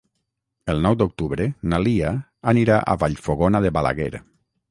El nou d'octubre na Lia anirà a Vallfogona de Balaguer.